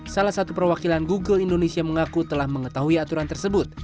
salah satu perwakilan google indonesia mengaku telah mengetahui aturan tersebut